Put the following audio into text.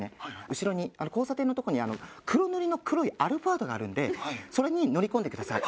後ろに交差点のとこに黒塗りの黒いアルファードがあるんでそれに乗り込んでください。